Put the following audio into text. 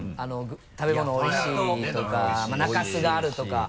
食べ物多いしとか中洲があるとか。